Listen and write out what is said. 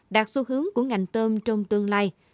đạt xu hướng của ngành tôm trong tương lai